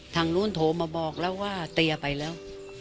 ทางนู้นโทรมาบอกแล้วว่าเตียไปแล้ว